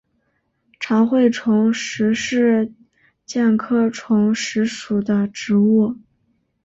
长穗虫实是苋科虫实属的植物。